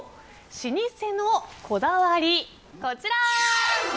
老舗のこだわりのこちら。